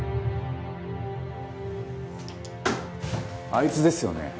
あいつですよね？